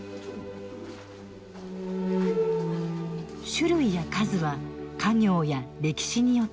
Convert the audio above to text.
種類や数は家業や歴史によって異なる。